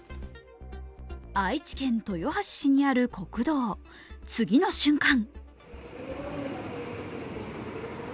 愛知県豊橋市にある国道、次の瞬間。